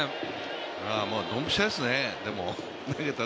ドンピシャですね、でもね。